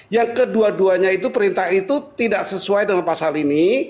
yang kedua duanya itu perintah itu tidak sesuai dengan pasal ini